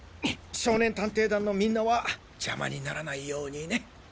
少年探偵団のみんなはジャマにならないようにね。